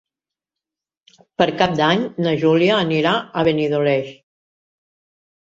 Per Cap d'Any na Júlia anirà a Benidoleig.